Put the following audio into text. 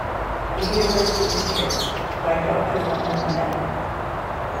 The University is chaired by Doctor Vullnet Ameti.